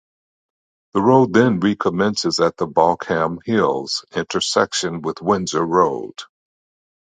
The road then recommences at the Baulkham Hills intersection with Windsor Road.